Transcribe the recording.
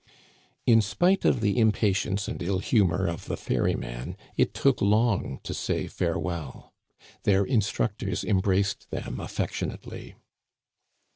In spite of the impatience and ill humor of the ferry man, it took long to say farewell. Their instructors em braced them affectionately.